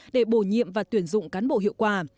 để bổ nhiệm và tuyển dụng cán bộ hiệu quả